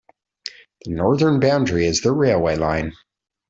The northern boundary is the railway line.